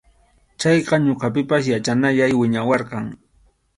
Chayqa ñuqapipas yachanayay wiñawarqan.